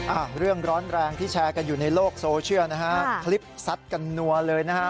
อ่าเรื่องร้อนแรงที่แชร์กันอยู่ในโลกโซเชียลนะฮะคลิปซัดกันนัวเลยนะฮะ